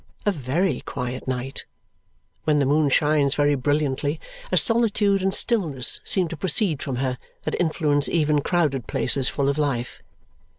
A very quiet night. When the moon shines very brilliantly, a solitude and stillness seem to proceed from her that influence even crowded places full of life.